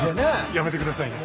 やめてくださいね。